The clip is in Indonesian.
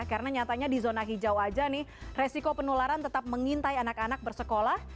karena nyatanya di zona hijau aja nih resiko penularan tetap mengintai anak anak bersekolah